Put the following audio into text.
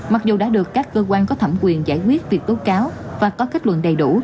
mặc dù đã được các cơ quan có thẩm quyền giải quyết việc tố cáo và có kết luận đầy đủ